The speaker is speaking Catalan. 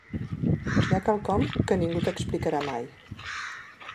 Hi ha quelcom que ningú t'explicarà mai.